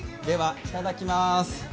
ではいただきまーす。